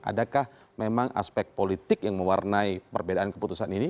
adakah memang aspek politik yang mewarnai perbedaan keputusan ini